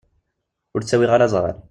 Ur ttawiɣ ara azɣal.